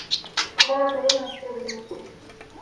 В каком направлении мы теперь будем идти?